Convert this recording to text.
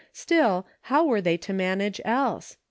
Still, how were they to manage, else